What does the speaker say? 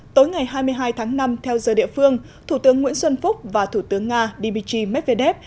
tối ngày hai mươi hai tháng năm theo giờ địa phương thủ tướng nguyễn xuân phúc và thủ tướng nga dmitry medvedev